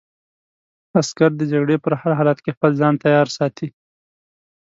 عسکر د جګړې په هر حالت کې خپل ځان تیار ساتي.